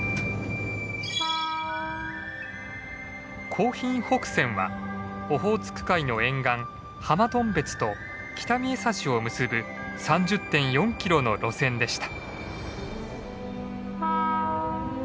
興浜北線はオホーツク海の沿岸浜頓別と北見枝幸を結ぶ３０．４キロの路線でした。